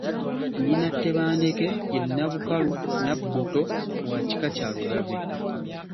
Nnyina Tebandeke ye Nnabukalu Nnabbuto wa kika kya Lugave.